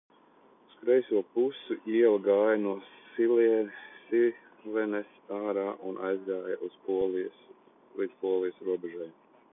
Uz kreiso pusi iela gāja no Silenes ārā un aizgāja līdz Polijas robežai.